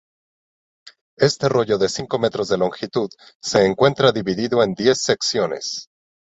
Este rollo de cinco metros de longitud se encuentra dividido en diez secciones.